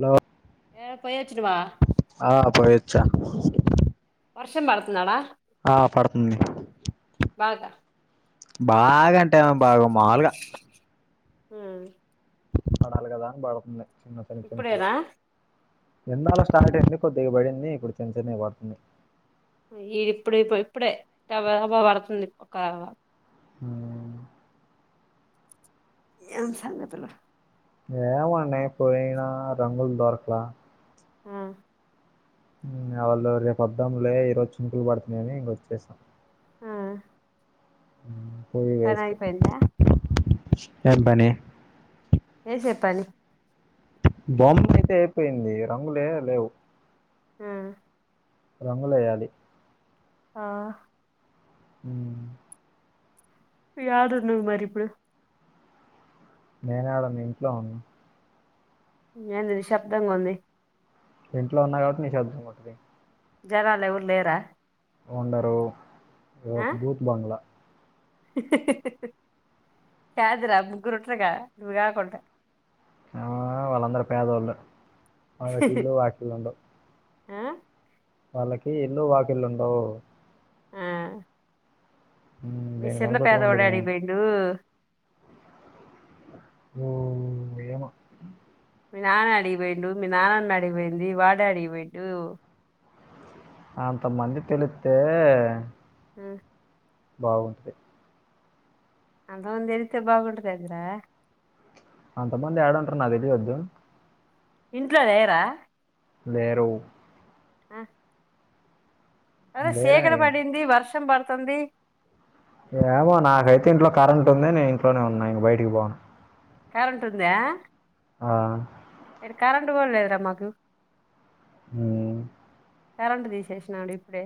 Hello ఏ పోయోచ్చినవా ఆ పోయోచ్చా వర్షం పడుతుందాడా ఆ పడుతుంది బాగా బాగంటే ఏం బాగొ మాలుగ ఉమ్ పడాలి గదాని పడుతుంది చిన్న చిన్న చినుకులు ఇప్పుడేనా ఎండ అలా స్టార్ట్ అయింది కొద్దిగా పడింది ఇప్పుడు చిన్న చిన్నయి పడుతున్నయ్ ఈడిప్పుడు ప ఇప్పుడే [unintelligible] పడుతుంది ఒక ఉమ్ ఏం సంగతులు ఏమండీ పోయినా రంగుల్ దొరక్లా ఆ ఇంగ వాళ్ళు రేపు వద్దాంలే ఈ రోజు చినుకులు పడుతున్నాయని ఇంకొచ్చేసాం ఆ ఉమ్ పోయి పని వేస్ట్ అయిపోయిందా ఏం పని రే చెప్పండి బొమ్మ అయితే అయిపోయింది రంగులే లేవు ఆ రంగులేయాలి ఆ ఉమ్ యాడున్నవ్ మరి ఇప్పుడు నేనాడ మి ఇంట్లో ఉన్నా ఎంది నిశబ్దంంగ ఉంది ఇంట్లో ఉన్నా కాబట్టి నిశ్శబ్దంగుంటది జనాలేవురు లేరా ఉండరు ఆ ఇదోక బూత్ బంగ్లా కాదురా ముగ్గురు ఉంట్రుగా నువ్ గాకుంట ఆ వాళ్ళందరు పేదోళ్ళు వాళ్ళకు ఇల్లు వాకిలుండవు ఆ వాళ్ళకి ఇళ్ళు వాకిల్లు ఉండవు ఆ ఉమ్, మీ దీన్ని సిన్న పేదవాడు కనిపెట్టుకుండేది నేను యాడికి పోయిండు ఉమ్ ఏమో మీ నాన్న యాడికిపోయిండు, మీ నాన్నన్న యాడికిపోయింది, వాడేడిగిపోయిండు అంతమంది తెలుత్తే ఉమ్ బాగుంటది అంత మంది తేలిత్తే బాగుంటదేందిరా అంత మంది యాడుంట్రు నాక్ తెలియొద్దు ఇంట్లో లేరా లేరు ఆ అదా లేరనే సీకటి కదా పడింది వర్షం పడతుంది ఏమో నాకైతే ఇంట్లో కరెంటు ఉంది నేను ఇంట్లోనే ఉన్నా ఇంక బయటకి పోను కరెంట్ ఉందా ఆ ఈడ కరెంట్ కూడా లేదు రా మాకు ఉ కరెంట్ తీసేసినాడు ఇప్పుడే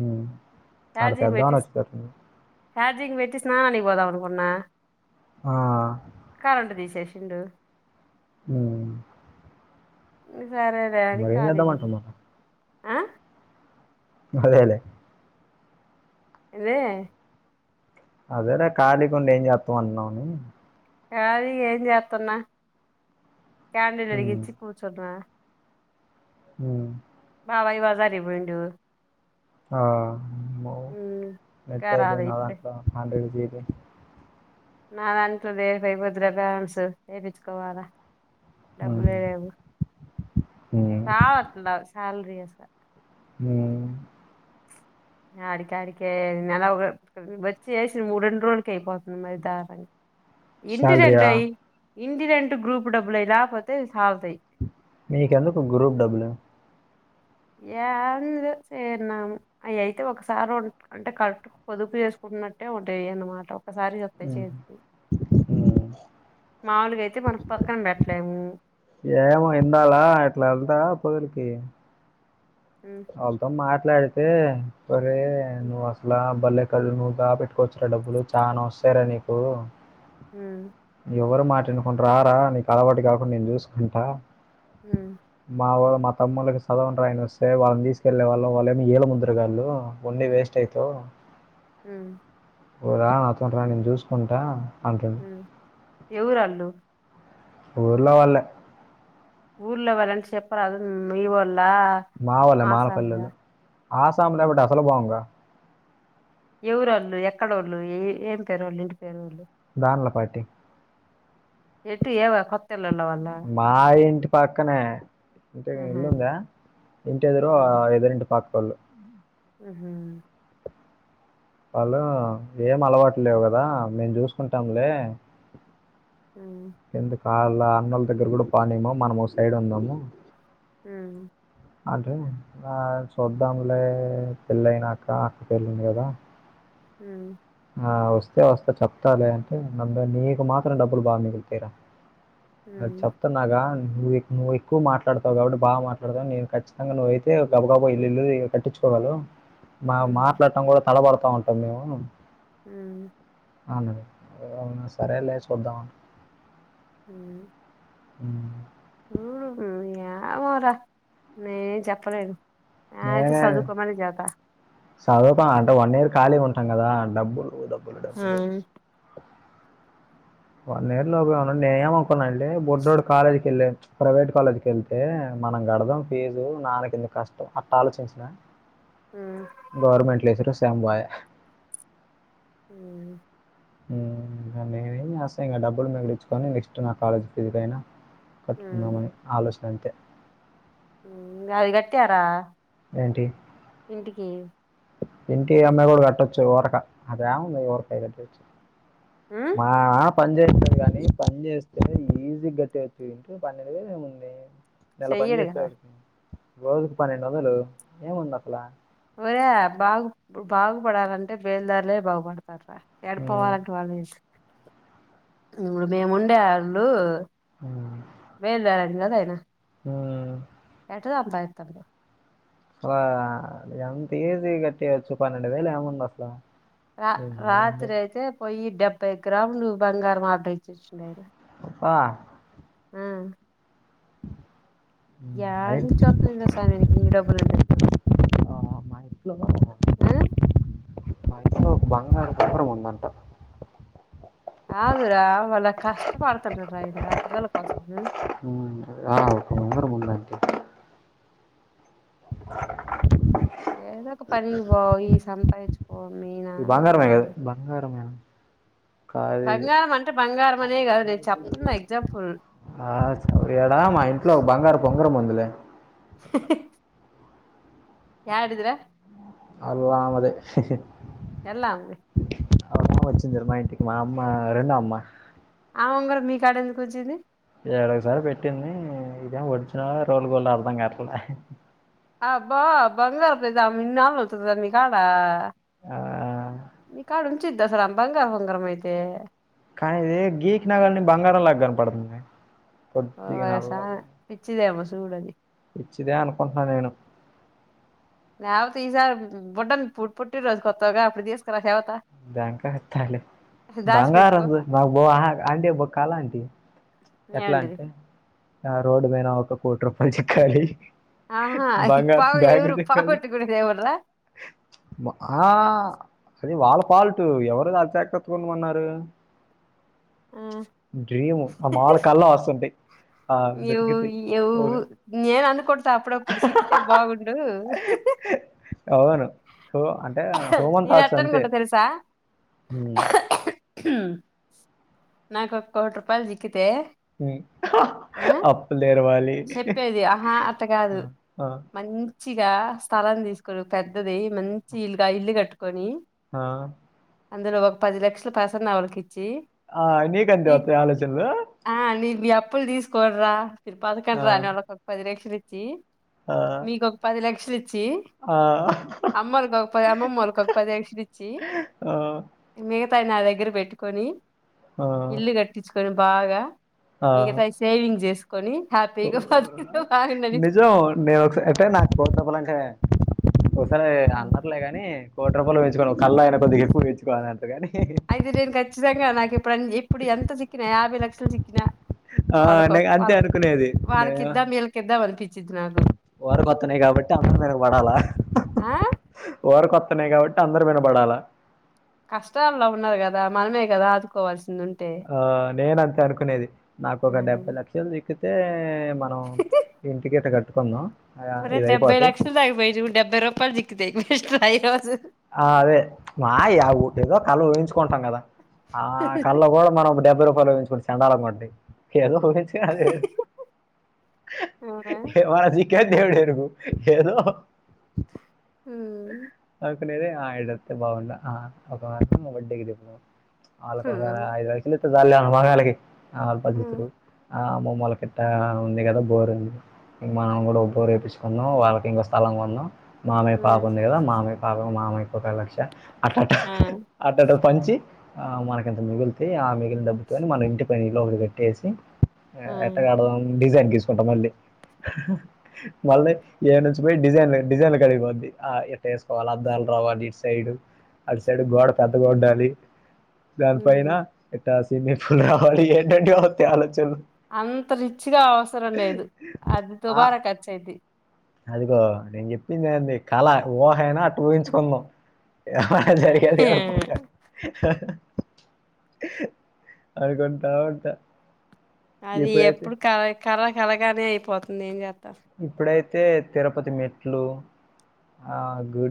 ఉమ్, ఆడు చార్జింగ్ పెద్దామని పెట్టి వచ్చేటట్టుంది హార్జీంగ్ పెట్టి స్నానానికి పోదావును కున్నా ఆ కరెంటు తీసేసిండు ఆ సరేలే అనీ మరి ఏం ఖాళీగా ఉన్ చేద్దామంటున్నాను అ అదేలే దే అదేలే ఖాళీకు ఉండి ఏం చేస్తాం అన్నావుని కాళిగా ఏం చేత్తున్న క్యాండిల్ ఉమ్, వెలిగించి కూర్చున్న హ బాబాయి బజారికు పోయిండు ఆ ఆమ్మో ఉమ్, ఇంకా నెట్ రాలే అయిపోయింది నా ఇప్పుడే దాంట్లో హండ్రెడ్ జీబీ నా దాంట్లో రేపైపోద్దురా బ్యాలన్సు వయించుకోవాలా ఉమ్, డబ్బులే లేవు ఉమ్, సా వత్తదా శాలరీ అంట ఉ ఆడికాడికే నెల ఒక వచ్చి చేసిన మూడురెండు రోజులకి అయిపోతుంది మరి దారనంగా ఇంటిరెంట్ శాలరీయా అయి ఇంటిరెంట్ గ్రూప్ డబ్బులు అయి గాకపోతే సాల్తయ్ నీకెందుకు గ్రూప్ డబ్బులు ఏంది చేన్నాము అవి అయితే ఒకసారి ఉంట్ అంటే కడ్ పొదుపు చేసుకుంటన్నట్టే ఉంటాయింద మాట ఒకసారి ఉమ్, చెప్ ఉమ్. [inaudible] మాల్లగయితే మనం పక్కన పెట్లేము ఏమో ఇందాలా ఇట్లా వెళ్దా పొదలికి ఉ వాళ్ళతో మాట్లాడితే ఒరే ఉమ్, నువ్వు అసలు బలేె ళు నువ్వు దాపెట్టుకోవచ్చురా డబ్బులు చాలా వస్తాయి రా నీకు హ ఎవరు మాట వినకుండా రారా నీకు అలవాటు కాకుండా నేను చూసుకుంటా హ మా వాళ్ళ మా తమ్ముళ్లకి సదవవు రాయని వస్తుంది సే వాళ్ళని తీసుకెళ్ళలే వాళ్ళం వాళ్ళెమో ఏలి ముద్రగాళ్ళు వండి వేస్ట్ అవుతావ్ ఉ ఓ రా నాతోటిరా నేను చూసుకుంటా అంటది ఎవరళ్ళు ఊర్లో వాల్లే ఊళ్లో వాళ్లని చెప్పరాదు మీ ఓల్లా మా ఒళ్ళే మాలపల్లోలు ఆ సాములుబట్టి అసలు బాగుంగా ఎవరు వాళ్ళు ఎక్కడోళ్ళు ఎ ఏం పేరోళ్ళు ఇంటి పేరోళ్ళు దాన్లపాటి ఎట్టు ఎవ కొత్తిళ్ల ఉన్న వాళ్ళ మా ఇంటి పక్కనే ఇంటి ఆహా ఇల్లుందా ఇంటి ఎదురు ఎదురింటి పక్కోళ్ళు ఉహూ వాళ్ళు ఏం అలవాటు లేవు కదా మేము చూసుకుంటాంలే ఊ ఎందుకు ఆళ్ళ అన్నల్ దగ్గర గుడా పానేమో మనం ఓ సైడ్ ఉందాము ఊ అంటే నా చూద్దాములే పెళ్ళయినాక అక్క పెళ్ళింది కదా ఊ ఆ ఒస్తే ఒస్త చెప్తాలే అంటే నన్ నే నీకు మాత్రం డబ్బులు బాగా మిగుళ్తేరా అది అప్ న్నాగా నువ్వేక్ నువ్వేక్కు మాట్లాడతావు కాబట్టి బా మాట్లాడతావ్ నేను ఖచ్చితంగా నువ్ ఐతే గబ గబ ఇల్లు ఇల్లు పట్టించుకోవాలు మా ఆ ఆ మాట్లాడటం కూడా తడబడతా ఉంటాం మేము ఊ అవునండి అవునా సరేలే చూద్దాం అని ఊ ఊ ఏమోర నేన్ ఏం చెప్పలేను ఆతే సదుకోమనే చెప్తా సదుత అంటే వన్ ఇయర్ ఖాళీ ఉంటాం కదా డబ్బులు డబ్బులు ఆ డబ్బులు వన్ ఇయర్ లోపే ఉ నేను ఏమనుకున్నా అంటె బుడ్డోడు కాలేజ్కి వెళ్ళి ప్రైవేట్ కాలేజ్కి ఎళ్తే మనం గడదాం ఫీజూ నాన్న కెందుకు కష్టం అట్ట ఆలోచించిన ఆ గవర్నమెంట్ లేసె సెమ్ బాయె ఊ ఊమ్ ఇగ నేనే ఏస్త ఇంగ డబ్బులు మిగిలిచ్చుకొని నెక్స్ట్ నా కాలేజ్ ఫీజుకైనా ఆ కట్టుకుందామని ఆలోచన అంతె ఊ నాది గట్యారా? ఏంటి ఇంటికి ఇంటి అమ్మాయి కూడా కట్టొచ్చు ఓరకా అదేముంది ఓరకాయ కట్టచ్చు ఉమ్ మా పని చేస్తది గాని పని చేస్తే ఈజీ గట్టేయాచ్చు ఇంటిలో పన్నడు ఏముంది నెల పని చెయ్యడు కదా చేస్తేవాడికి రోజుకి పన్నెండు వందలు ఏముంది అసలా ఒరేయ్ బాగు బాగుపడాలంటే బేలుదారులే బాగుపడతార హ్మ్. ఏడిపోవాలంటే వాళ్ళు ఇడు మేము ఉండే వాళ్ళు ఊ మేల్దారానికి గదా ఆయిన ఎట సంపాదితన్నవ్ వా అది అంత ఈజీ గట్టేయచ్చు పన్నెండు వేలు ఏముంది అసలు రా రాత్రి అయితే పొయ్యి డెబ్బై గ్రాములు బంగారం ఆర్డర్ ఇచ్చేసిండు ఆయన ఉప్ప ఆ [unintelligible] యాడి అయి నుంచి ఒత్తది ఇంత సమయానికి ఇన్ని డబ్బులు నిర్దిష్టగా డిప్లమ ఆ ఓ బంగారు పంజరం ఉందంట. కాదురా వాళ్ళ కష్టపడుతుండ్రు నాయన పిల్లల కోసం ఆ కొందర ముందంటి [unintelligible] ఏదో ఒక పనికి పోయి సంపాదించుకోనీ మీనా ఏంట బంగారమా? బంగారం అంటే బంగారం అనే కాదు నేను చెప్తున్న ఎగ్జాంపుల్ ఆ శౌర్య ఇడా మా ఇంట్లో ఒక బంగారపు ఉంగరం ఉందిలే ఇహ్హిహ్హి యాడిదిరా అగో ఆమెదే ఎల్లా ఉంది అవును వచ్చిందిరా మా ఇంటికి మా అమ్మా రెండో అమ్మా ఆమ్ ఉంగరం నీ కాడికి ఎందుకు వచ్చింది ఏడో ఒకసారి పెట్టింది ఇదేం ఒరిజినలా రోల్డ్ గోల్డ్ అర్థం కట్లే ఆబా బంగారం దయితే ఆమె ఇన్నాళ్లు ఉంచుతాదా నీ కాడా ఆ, నీ కాడ ఉంచిదా అసల ఆమె బంగారు ఉంగరం మైతే కానీ ఇది గీక్ నాగిని బంగారం లాగా కనపడుతుంది ఓ కొద్దిగా నల్ల సామి పిచ్చిదేమో చూడు అది పిచ్చిదే అనుకుంటున్న నేను లేకపోతే ఈసార్ బొడ్టన్ పు పుటిన రోజు కొత్తవుగా అప్పుడు తీసుకురా చెబుతా బ్యాంక అర్థాలు బంగారం పెట్టుకో గురిన్చ్ మాకు బో ఆఁ అంటే బొ కళ అండి ఎట్లా ఏవంటిది అంటే ఆ రోడ్డు మీన ఒక కోటి రూపాయలు చిక్కాలి ఆహా ఈ బంగారు పా బ్యాగులు ఎవరు చిక్కాలి పోగొట్టుకునేది ఎవడ్రా? ఆ అది వాళ్ళ ఫాల్ట్ ఎవరు ఆజాగర్తగా కొమన్నారు డ్రీము మాముల్గ కళ్ళో వస్తుంటయి ను్ ఇవ్ నేను అనుకుంటా అప్పుడప్పుడు చిక్కితే బాగుండు అవును హూ అంటే హూమన్ నేను థాట్స్ ఎట్ట అంతే అనుకుంటా తెలుసా ఉ [unintelligible] నాకు ఒక కోటి రూపాయలు జిక్కితే ఉమ్. ఆ అప్పులు తెరవాలి చెప్పేది ఆహా అట్ట ఆ, కాదు ఆ, మంచి మంచిగా స్థలం తీసుకోనీ పెద్దది మంచి ఇల్లుగా ఇల్లు కట్టుకొని ఆ అందులో ఒక పది లక్షలు ప్రసన్న వాళ్ళకి ఇచ్చీ ఆ నీక్ అంతే ఒత్తయా ఆలోచనలూ ఆ నీ మీ అప్పులు తీసుకోన్ డ్ర ఆ, బతకండి రా అని వాళ్ళకి ఒక పది లక్షలు ఇచ్చి ఆ, మీకు ఒక పది లక్ష లిచ్చీ ఆ, అమ్మోళ్లకు ఒక పది అమ్మమ్మ వాళ్ళకు ఒక పది లక్షలు ఇచ్చి ఆ, మిగతాయి నా దగ్గర బెట్టుకొని ఆ, ఇల్లు కట్టించుకొని బాగా ఆ. మిగతాయ్ సేవింగ్ చేసు కొనీ హ్యాపీగా బతికితే బాగున్నది మేము ఒకసారి అయితే నాకు [inaudible] చెప్పాలంటే ఒకసారి అన్నార్లే గాని కోటి రూపాయలు ఊహించుకో కళ్ళో అయినా కొద్ది ఎక్కువ ఊహించుకోవాలి అంతే కాని అయితే నేను ఖచ్చితంగా నాకు ఇప్పుడు ఇప్పుడు ఎంత చిక్కినా యాభై లక్షలు చిక్కినా ఆ వాళ్ళకో నే- అంతే వాళ్ళకి అనుకునేది వాళ్ళకి ఇద్దం వీళ్ళకిద్దం అనిపించిద్ది నాకు వోరకొత్తనయ్ గాబట్టి అందరు వినబడాలా ఆ వోరికొత్తనయ్ కాబట్టి అందరు వినబడాలా కష్టాల్లో ఉన్నారు కదా మనమే కదా ఆదుకోవాల్సింది ఉ ఆ నేను అంతే అనుకునేది నాకు ఒక ఉమ్. డెబ్బై లక్షలు జిక్కితే మనం ఇంటికి ఇంట కట్టుకుందాం ఆ, ఒరేయ్ ఇది డెబ్బై అయిపోతే లక్షలు దాక పోయి చూడు డెబ్బై రూపాయలు జిక్కుతయ్ వేస్ట్ర ఈ రోజు ఆ అదే మాయే ఒటేదో కళ ఊహించుకుంటం కదా ఆ కళ్ళో గుడా మనం ఒక డెబ్బై రూపాయలు ఉహించుకొని చండాగుంటయ్ ఏదో ఉహించి అదే అవునా ఏ మనజి కే దేవుడు ఎరుగు ఎదో హ్మ్ ఒక్కడిదే ఆ ఇడు ఒత్తే బావున్న ఆ ఒక్క మా బర్డేకి జేప్పు ఆళ్ళ ఒక ఉమ్, ఐదు లక్షలు ఇస్తే చాల్లే ఆ మొఖాలకి ఆ పది ఉమ్, లక్షలు ఆ అమ్మమ్మ వాళ్ కట్ట ఉంది కదా బోరు ఉంది ఇంక మనం కూడా బోరు ఎపించుకుందం వాళ్ళకి ఇంకా స్థలం కొన్నాం మా పాప ఉమ్, ఉంది కదా మామయ్య పాప మామయ్యకు ఒక లక్ష అట్టట ఆ, అట్టట పంచి ఆ మనకింత మిగులితే ఆ మిగిలిన డబ్బుతోని మన ఇంటి పైన ఇల్లు ఒకటి కట్టేసి ఆ, ఎట్ట కడదం డిజైన్ గీ కుంటమండి మళ్ళీ ఈడ నుంచి పోయి డిజైన్ డిజైన్లు కాడికిపోద్ది ఆ ఇట్ట ఎసుకోవాలి అద్దాలు రావాలి ఇట్ సైడు అటు సైడు గోడ పెద్దగా ఉండాలి దానిపైన ఉమ్. ఇట్ట స్విమ్మింగ్ పూల్ రావాలి ఏంటేంటో వత్తయ్ ఆలోచనలు అంత రిచ్గా అవసరం లేదు అది ఆ దుబారా ఖర్చయిద్ది అదిగో నేను చెప్పింది ఎంది కళ ఊహ అయినా అట్ట ఊహించుకుందాం జరిగేది గాకుండ అది కొంటవంట అది ఎప్పుడు కళ కళ కళగానే అయిపోతుంది ఏం చేస్తారు ఇప్పుడైతే తిరుపతి మెట్లు ఆ గుడి